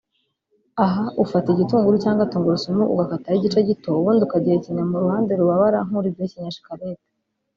aha ufata igitunguru cyangwa tungurusumu ugakataho igice gito ubundi ukagihekenyera mu ruhande rubabara nkuri guhekenya shikarete